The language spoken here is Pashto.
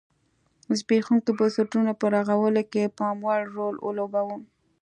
زبېښونکي بنسټونه په رغولو کې پاموړ رول ولوباوه.